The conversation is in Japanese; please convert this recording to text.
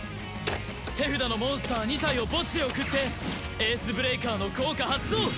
手札のモンスター２体を墓地へ送ってエースブレイカーの効果発動！